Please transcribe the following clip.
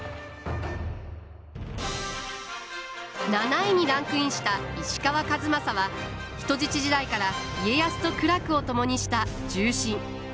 ７位にランクインした石川数正は人質時代から家康と苦楽を共にした重臣。